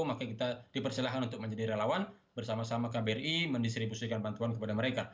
maka kita dipersilahkan untuk menjadi relawan bersama sama kbri mendistribusikan bantuan kepada mereka